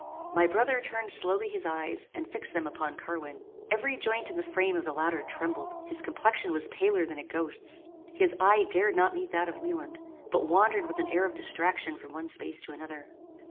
My brother turned slowly his eyes, and fixed them upon Carwin. Every joint in the frame of the latter trembled. His complexion was paler than a ghost's. His eye dared not meet that of Wieland, but wandered with an air of distraction from one space to another.